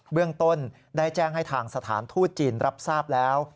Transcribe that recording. เรื่องต้นได้แจ้งให้ทางสถานทูตจีนรับทราบแล้ว